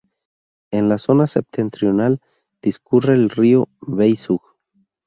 En la zona septentrional discurre el río Beisug.